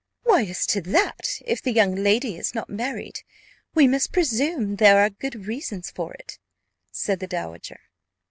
"Why, as to that, if the young lady is not married, we must presume there are good reasons for it," said the dowager.